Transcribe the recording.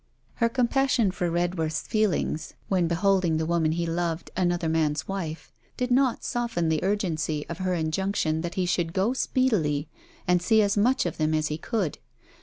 Her compassion for Redworth's feelings when beholding the woman he loved another man's wife, did not soften the urgency of her injunction that he should go speedily, and see as much of them as he could.